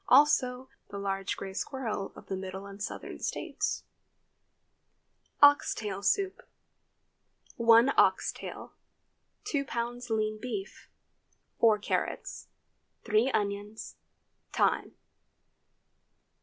Also, the large gray squirrel of the Middle and Southern States. OX TAIL SOUP. 1 ox tail. 2 lbs. lean beef. 4 carrots. 3 onions. Thyme.